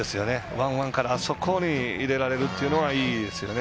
ワンワンからあそこに入れられるというのはいいですよね。